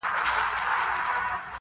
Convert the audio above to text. د کور مغول مو له نکلونو سره لوبي کوي٫